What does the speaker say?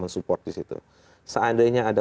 mensupport di situ seandainya ada